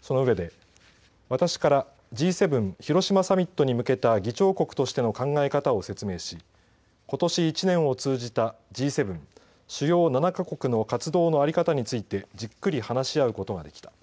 そのうえで、私からＧ７広島サミットに向けた議長国としての考え方を説明しことし１年を通じたＧ７＝主要７か国の活動の在り方についてじっくり話し合うことができた。